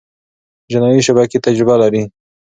جنایي شبکې تجربه لري.